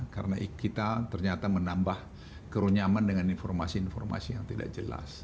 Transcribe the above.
karena kita ternyata menambah kerunyaman dengan informasi informasi yang tidak jelas